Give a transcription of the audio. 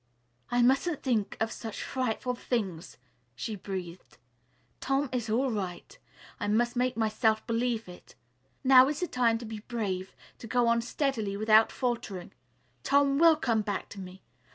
"I mustn't think of such frightful things," she breathed. "Tom is all right. I must make myself believe it. Now is the time to be brave; to go on steadily without faltering. Tom will come back to me.